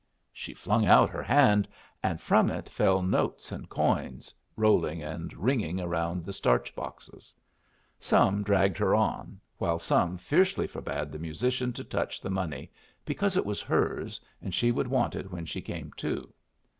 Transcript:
She flung out her hand, and from it fell notes and coins, rolling and ringing around the starch boxes. Some dragged her on, while some fiercely forbade the musician to touch the money, because it was hers, and she would want it when she came to.